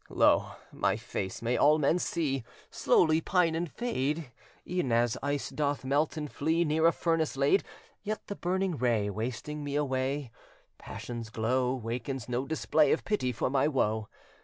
Lo! my face may all men see Slowly pine and fade, E'en as ice doth melt and flee Near a furnace laid. Yet the burning ray Wasting me away Passion's glow, Wakens no display Of pity for my woe.